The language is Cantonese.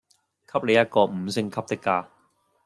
給你一個五星級的家